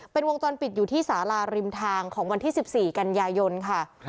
เป็นวงจรปิดอยู่ที่สาราริมทางของวันที่๑๔กันยายนค่ะ